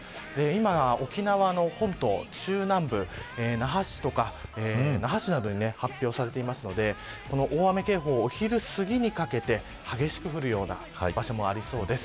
今沖縄の本島、中南部那覇市などに発表されていますのでこの大雨警報、昼すぎにかけて激しく降るような場所もありそうです。